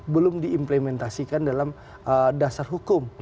belum diimplementasikan dalam dasar hukum